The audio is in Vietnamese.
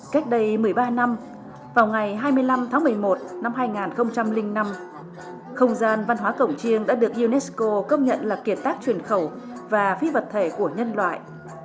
cách đây một mươi ba năm vào ngày hai mươi năm tháng một mươi một năm hai nghìn năm không gian văn hóa cổng chiêng đã được unesco công nhận là kiệt tác truyền khẩu và phi vật thể của nhân loại